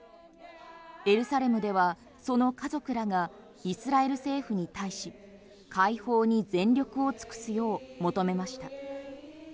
エルサレムではその家族らがイスラエル政府に対し解放に全力を尽くすよう求めました。